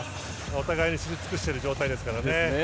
お互いに知り尽くしている状態ですからね。